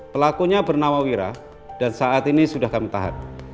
pelakunya bernama wira dan saat ini sudah kami tahan